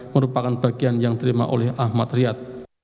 merupakan bagian yang terima oleh ahmad triad